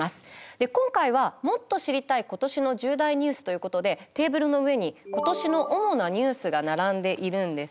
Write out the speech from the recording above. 今回は「もっと知りたい！ことしの重大ニュース」ということでテーブルの上にことしの主なニュースが並んでいるんです。